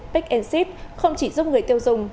pick and ship không chỉ giúp người tiêu dùng